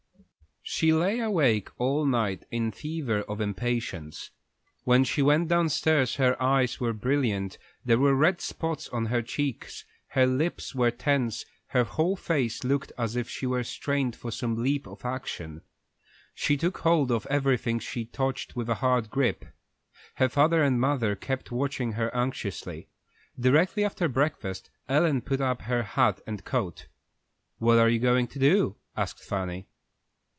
She lay awake all night in a fever of impatience. When she went down stairs her eyes were brilliant, there were red spots on her cheeks, her lips were tense, her whole face looked as if she were strained for some leap of action. She took hold of everything she touched with a hard grip. Her father and mother kept watching her anxiously. Directly after breakfast Ellen put on her hat and coat. "What are you going to do?" asked Fanny.